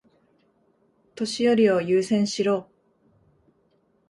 年寄りを優先しろ。